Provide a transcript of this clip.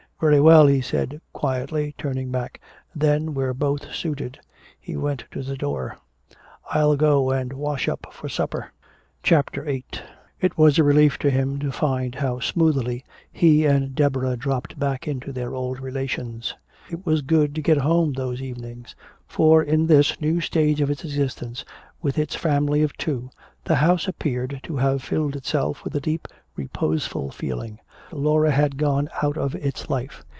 "Very well," he said quietly, turning back. "Then we're both suited." He went to the door. "I'll go and wash up for supper," he said. CHAPTER VIII It was a relief to him to find how smoothly he and Deborah dropped back into their old relations. It was good to get home those evenings; for in this new stage of its existence, with its family of two, the house appeared to have filled itself with a deep reposeful feeling. Laura had gone out of its life.